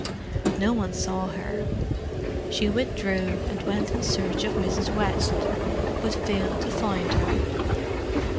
No one saw her: she withdrew, and went in search of Mrs. West, but failed to find her.